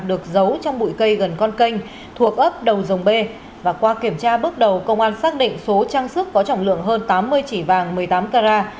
được giấu trong bụi cây gần con kênh thuộc ấp đầu dòng b và qua kiểm tra bước đầu công an xác định số trang sức có trọng lượng hơn tám mươi chỉ vàng một mươi tám carat